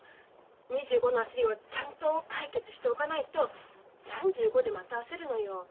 ２５の焦りをちゃんと解決しておかないと３５でまた焦るのよ。